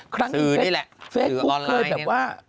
ครั้งหนึ่งเฟซบุ๊กเคยแบบว่า